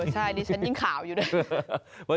ใช่ดิฉันยิ่งขาวอยู่ด้วย